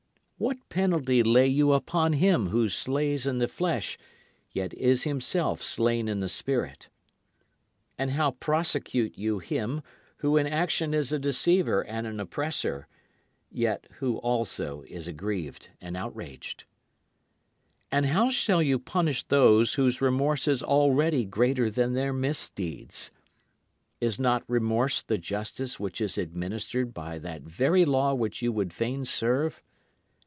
What penalty lay you upon him who slays in the flesh yet is himself slain in the spirit? And how prosecute you him who in action is a deceiver and an oppressor, Yet who also is aggrieved and outraged? And how shall you punish those whose remorse is already greater than their misdeeds? Is not remorse the justice which is administered by that very law which you would fain serve?